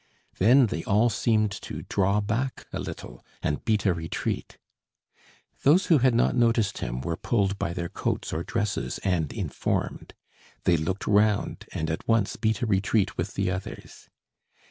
Then they all seemed to draw back a little and beat a retreat. Those who had not noticed him were pulled by their coats or dresses and informed. They looked round and at once beat a retreat with the others.